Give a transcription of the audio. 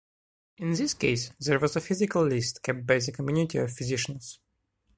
In this case, there was a physical list kept by the community of physicians.